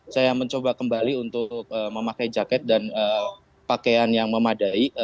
saya mencoba kembali untuk memakai jaket dan pakaian yang memadai